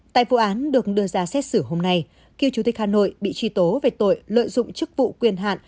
tại vụ án được đưa ra xét xử hôm nay cựu chủ tịch hà nội bị truy tố về tội lợi dụng chức vụ quyền hạn